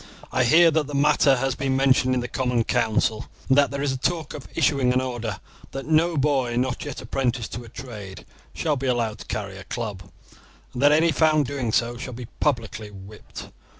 I hear that the matter has been mentioned in the Common Council, and that there is a talk of issuing an order that no boy not yet apprenticed to a trade shall be allowed to carry a club, and that any found doing so shall be publicly whipped."